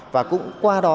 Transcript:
và qua đó